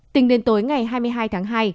tình đến tối ngày hai mươi hai tháng hai